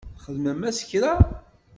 Txedmem-as kra?